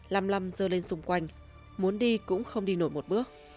lằm lằm dơ lên xung quanh muốn đi cũng không đi nổi một bước